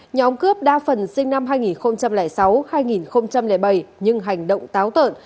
nhóm cướp đa phần sinh năm hai nghìn sáu hai nghìn bảy nhưng hành động táo tợn